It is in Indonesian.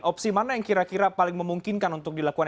jadi opsi mana yang kira kira paling memungkinkan untuk dilakukan